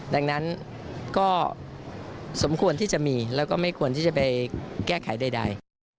ดังนั้นก็สมควรที่จะมีแล้วก็ไม่ควรที่จะไปแก้ไขใด